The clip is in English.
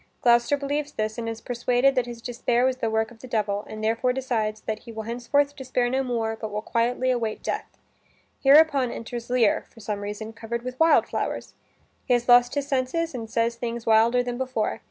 Gloucester believes this, and is persuaded that his despair was the work of the devil, and therefore decides that he will henceforth despair no more, but will quietly await death. Hereupon enters Lear, for some reason covered with wild flowers. He has lost his senses and says things wilder than before.